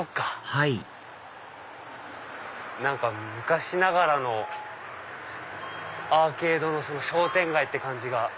はい何か昔ながらのアーケードの商店街って感じが。